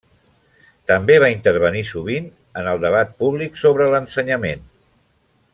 També va intervenir, sovint, en el debat públic sobre l'ensenyament.